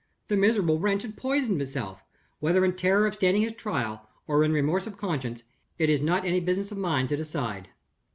The miserable wretch had poisoned himself whether in terror of standing his trial, or in remorse of conscience, it is not any business of mine to decide.